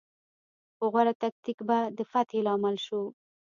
خو غوره تکتیک به د فتحې لامل شو.